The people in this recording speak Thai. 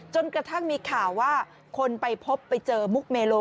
จนกระทั่งมีข่าวว่าคนไปพบไปเจอมุกเมโล